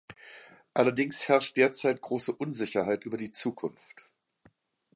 Allerdings herrscht derzeit große Unsicherheit über die Zukunft.